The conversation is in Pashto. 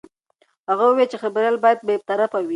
هغه وویل چې خبریال باید بې طرفه وي.